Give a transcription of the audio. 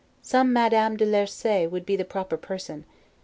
Some Madame de l'Ursay would be the proper person.